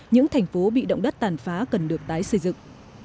những thành phố bị động đất tàn phá cần được tái xây dựng